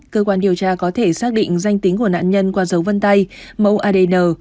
cơ quan điều tra có thể xác định danh tính của nạn nhân qua dấu vân tay mẫu adn